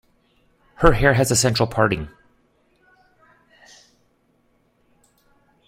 Her hair has a central parting